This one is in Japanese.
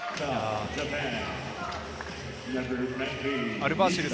アルバーシル。